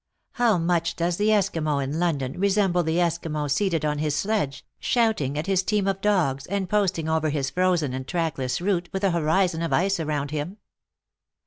How much does the Esquimaux in London resemble the Esquimaux seated on his sledge, shouting at his team of dogs, and post ing over his frozen and trackless route, with a horizon of ice around him?